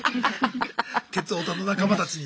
鉄オタの仲間たちに。